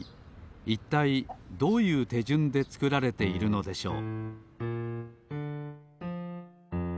いったいどういうてじゅんでつくられているのでしょう？